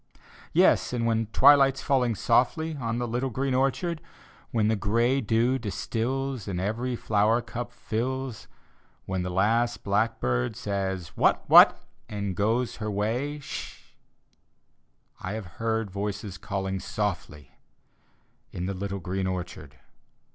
Yes, and when twilight's falling softly On the little green orchard ; When the gray dew distils And every flower cup fills; When the last blackbird says, "What — what!" and goes her way — sshi I have heard voices calling softly In the little green orchard.